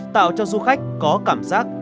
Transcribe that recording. tạo cho du khách có cảm giác